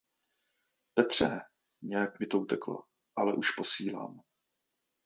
Petře, nějak mi to uteklo, ale už posílám.